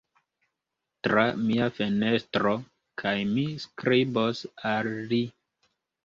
Tra mia fenestro, kaj mi skribos al li.